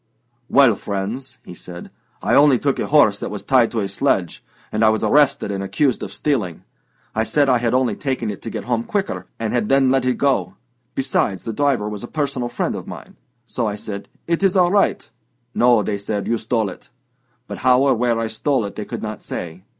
"Well, friends," he said, "I only took a horse that was tied to a sledge, and I was arrested and accused of stealing. I said I had only taken it to get home quicker, and had then let it go; besides, the driver was a personal friend of mine. So I said, 'It's all right.' 'No,' said they, 'you stole it.' But how or where I stole it they could not say.